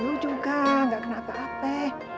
lo juga gak kena apa apa